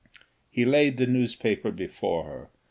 He laid the newspaper before her.